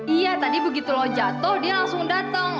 iya tadi begitu lo jatuh dia langsung datang